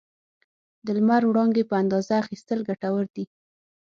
د لمر وړانګې په اندازه اخیستل ګټور دي.